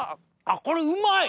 あっこれうまい！